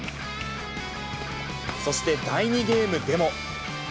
そして、第２ゲームでも。